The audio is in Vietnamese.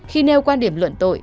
khi nêu quan điểm luận tội